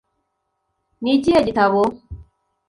Ni ikihe gitabo?